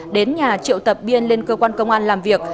đến nhà triệu tập biên lên cơ quan công an làm việc